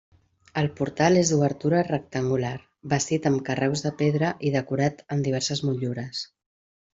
El portal és d'obertura rectangular, bastit amb carreus de pedra i decorat amb diverses motllures.